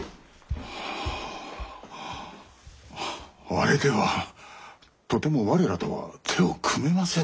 あれではとても我らとは手を組めませぬな。